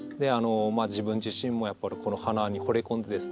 自分自身もやっぱりこの花にほれ込んでですね